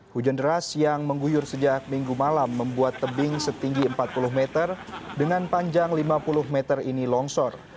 hujan deras yang mengguyur sejak minggu malam membuat tebing setinggi empat puluh meter dengan panjang lima puluh meter ini longsor